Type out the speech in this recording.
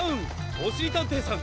おしりたんていさん！